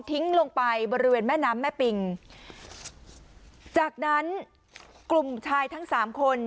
ลงไปบริเวณแม่น้ำแม่ปิงจากนั้นกลุ่มชายทั้งสามคน